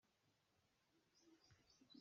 Ram kan riah lioah vom ka hmuh.